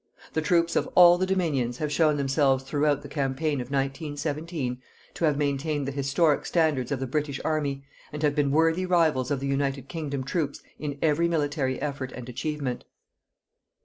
The troops of all the Dominions have shown themselves throughout the campaign of 1917 to have maintained the historic standards of the British Army and have been worthy rivals of the United Kingdom troops in every military effort and achievement.